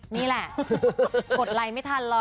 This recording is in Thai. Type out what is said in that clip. นี่แหละกดไลค์ไม่ทันหรอก